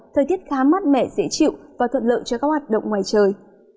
thời tiết khá mát mẻ dễ chịu và thuận lợi cho các hoạt động ngoài trời